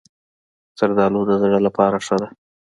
زردالو د زړه لپاره ښه ده.